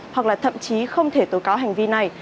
hoặc là thậm chí không thể tố cáo hành vi này